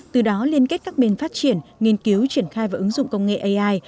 từ đó liên kết các bên phát triển nghiên cứu triển khai và ứng dụng công nghệ ai